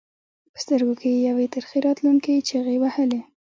په سترګو کې یې یوې ترخې راتلونکې چغې وهلې.